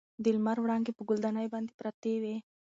د لمر وړانګې په ګل دانۍ باندې پرتې وې.